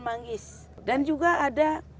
manggis dan juga ada